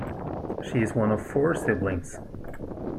She is one of four siblings.